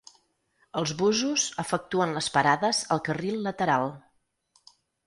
Els busos efectuen les parades al carril lateral.